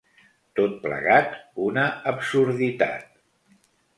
Tot plegat, una absurditat.